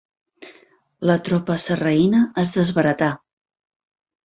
La tropa sarraïna es desbaratà.